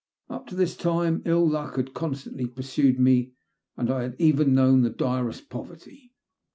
Up to this time ill luck had constantly pursued me, and I had even known the direst poverty.